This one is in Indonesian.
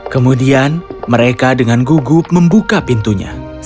kemudian mereka dengan gugup membuka pintunya